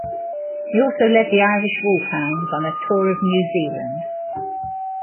He also led the Irish Wolfhounds on a tour of New Zealand.